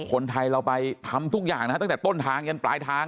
คนไทยเราไปทำทุกอย่างนะฮะตั้งแต่ต้นทางจนปลายทาง